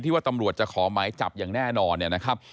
ที่ว่าตำรวจจะขอหมายจับอย่างแน่นอน